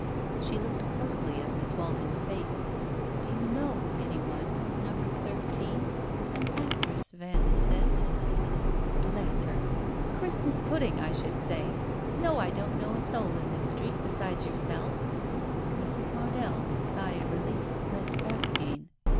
She looked closely at Miss Walton's face. "Do you know any one at number thirteen ? An actress, Vance says " "Bless her. Christmas pudding, I should say. No, T don't know a soul in this street besides yourself " Mrs. Mardell, with a sigh of relief, leant back again.